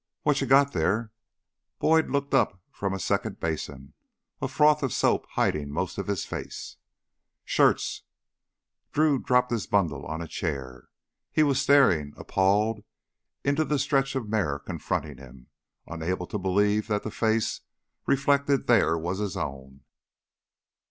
"What you got there?" Boyd looked up from a second basin, a froth of soap hiding most of his face. "Shirts " Drew dropped his bundle on a chair. He was staring, appalled, into the stretch of mirror confronting him, unable to believe that the face reflected there was his own.